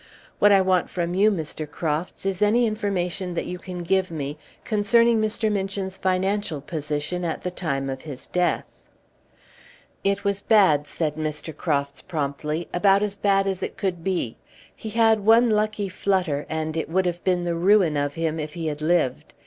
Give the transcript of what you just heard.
What I want from you, Mr. Crofts, is any information that you can give me concerning Mr. Minchin's financial position at the time of his death." "It was bad," said Mr. Crofts, promptly; "about as bad as it could be. He had one lucky flutter, and it would have been the ruin of him if he had lived.